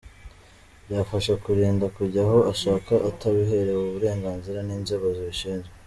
Byafasha kumurinda kujya aho ashaka atabiherewe uburenganzira n’inzego zibishinzwe.